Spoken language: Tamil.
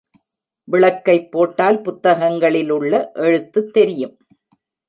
விளக்கைப் போட்டால் புத்தகங்களிலுள்ள எழுத்துத் தெரியும்.